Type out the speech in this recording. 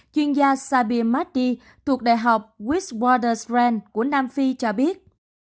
chuyên gia sabir mahdi thuộc đại học westwater s grand của nam phi cho biết